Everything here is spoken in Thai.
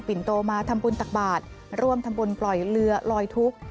ินโตมาทำบุญตักบาทร่วมทำบุญปล่อยเรือลอยทุกข์